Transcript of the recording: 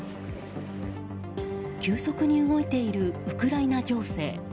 急速に動いているウクライナ情勢。